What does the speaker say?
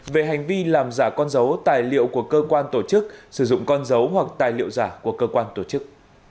về hành vi làm giả con dấu tài liệu của cơ quan tổ chức sử dụng con dấu hoặc tài liệu giả của cơ quan tổ chức